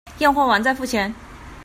驗貨完再付錢